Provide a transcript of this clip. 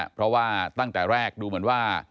เพราะว่าตั้งแต่แรกดูเหมือนว่า